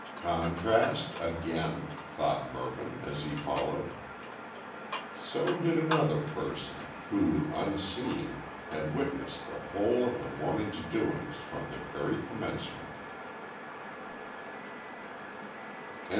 "Contrast again?" thought Mervyn, as he followed. So did another person, who, unseen, had witnessed the whole of the morning's doings from their very commencement.